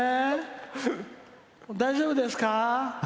大丈夫ですかー？